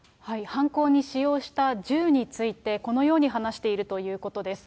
犯行に使用した銃について、このように話しているということです。